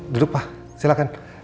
duduk pak silakan